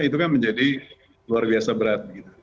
itu kan menjadi luar biasa berat